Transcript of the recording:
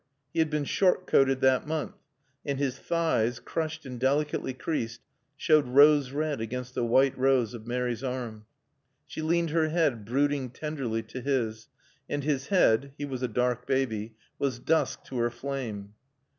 He had been "short coated" that month, and his thighs, crushed and delicately creased, showed rose red against the white rose of Mary's arm. She leaned her head, brooding tenderly, to his, and his head (he was a dark baby) was dusk to her flame.